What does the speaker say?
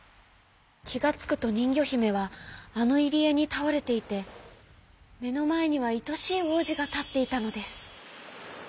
きがつくとにんぎょひめはあのいりえにたおれていてめのまえにはいとしいおうじがたっていたのです。